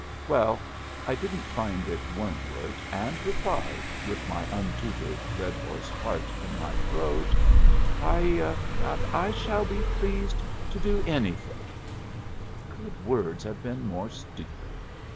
_ Well, I didn't find it wormwood, and replied, with my untutored Redhorse heart in my throat, "I I shall be pleased to do anything." Could words have been more stupid?